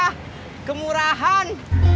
enggak ah kemurahan